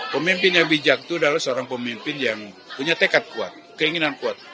pemimpin yang bijak itu adalah seorang pemimpin yang punya tekad kuat keinginan kuat